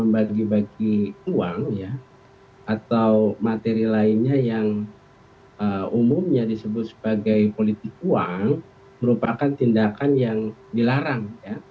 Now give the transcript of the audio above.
bagi bagi uang atau materi lainnya yang umumnya disebut sebagai politik uang merupakan tindakan yang dilarang